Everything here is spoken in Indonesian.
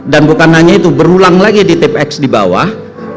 dan bukan hanya itu berulang lagi di tpex di bawah